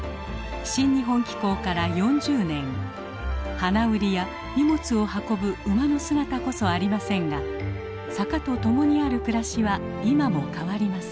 花売りや荷物を運ぶ馬の姿こそありませんが坂と共にある暮らしは今も変わりません。